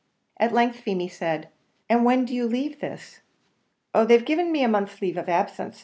At length Feemy said, "And when do you leave this?" "Oh! they've given me a month's leave of absence.